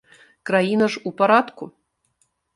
Краіна ж у парадку.